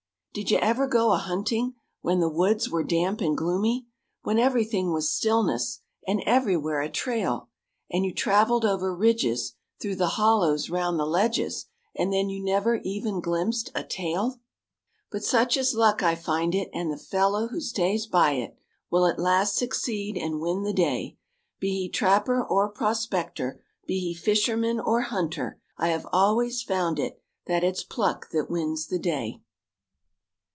Did you ever go a hunting When the woods were damp and gloomy, Where everything was stillness And everywhere a trail, And you traveled over ridges, Through the hollows, round the ledges And then you never even glimpsed a tail? But such is luck I find it, And the fellow who stays by it Will at last succeed and win the day: Be he trapper, or prospector, Be he fisherman, or hunter, I have always found it That it's pluck that wins the day.